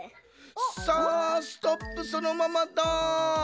さあストップそのままだ。